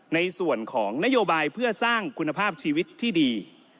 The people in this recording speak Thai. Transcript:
ในส่วนของนโยบายเพื่อสร้างคุณภาพชีวิตที่ดี